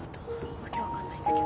わけ分かんないんだけど。